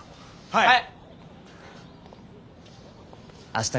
はい。